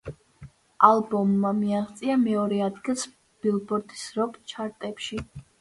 ალბომმა მიაღწია მეორე ადგილს ბილბორდის როკ ჩარტებში.